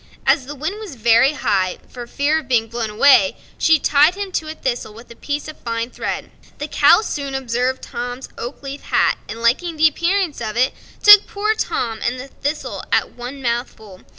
As the wind was very high, for fear of being blown away, she tied him to a thistle with a piece of fine thread. The cow soon observed Tom's oak leaf hat, and liking the appearance of it, took poor Tom and the thistle at one mouthful.